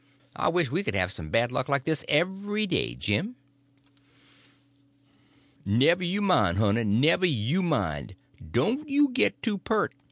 I wish we could have some bad luck like this every day, Jim." "Never you mind, honey, never you mind. Don't you git too peart.